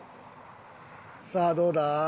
さあどうだ？